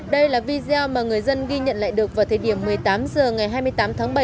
đây là video mà người dân ghi nhận lại được vào thời điểm một mươi tám h ngày hai mươi tám tháng bảy